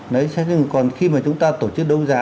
nói chung còn khi mà chúng ta tổ chức đấu giá